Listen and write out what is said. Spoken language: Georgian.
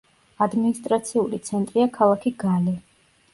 ადმინისტრაციული ცენტრია ქალაქი გალე.